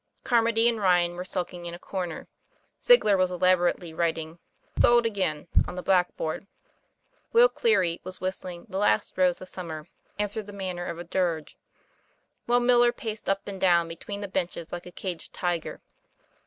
Carmody and Ryan were sulking in a corner; Ziegler was elaborately writing " sold again" on the black board; Will Cleary was whistling the "Last Rose of Sum mer," after the manner of a dirge; while Miller paced up and down between the benches like a caged tiger.